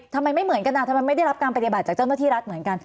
ทำไมไม่เหมือนกันทำไมไม่ได้รับการปฏิบัติจากเจ้าหน้าที่รัฐเหมือนกัน